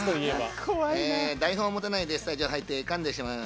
台本を持たないでスタジオに入って噛んでしまう。